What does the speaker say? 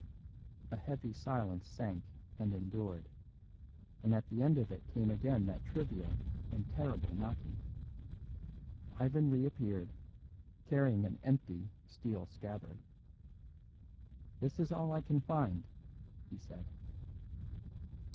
A heavy silence sank and endured, and at the end of it came again that trivial and terrible knocking. Ivan reappeared, carrying an empty steel scabbard. "This is all I can find," he said.